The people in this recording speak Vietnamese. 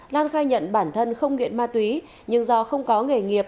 lan khai nhận bản thân không nghiện ma túy nhưng do không có nghề nghiệp